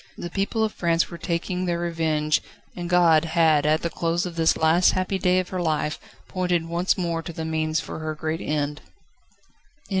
The people of France were taking their revenge, and God had at the close of this last happy day of her life pointed once more to the means for her great end.